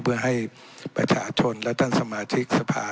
เพื่อให้ประชาชนและท่านสมาชิกสภา